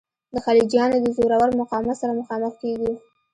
د خلجیانو د زورور مقاومت سره مخامخ کیږو.